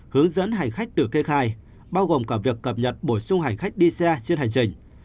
hướng dẫn hành khách tự kê khai bao gồm cả việc cập nhật bổ sung hành khách đi xe trên hành trình